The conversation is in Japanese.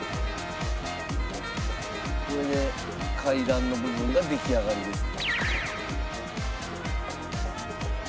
これで階段の部分が出来上がりです。